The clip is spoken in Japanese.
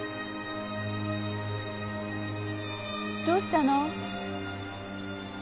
どうしたの？